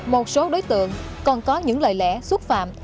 một số đối tượng còn có những lợi lẽ xuất phạm